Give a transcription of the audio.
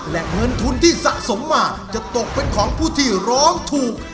และเงินทุนที่สะสมมาจะตกเป็นของผู้ที่ร้องถูก